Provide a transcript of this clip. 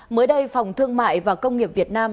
mới đây phòng thương mại và công nghiệp việt nam